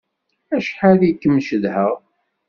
Acḥal i kem-cedhaɣ!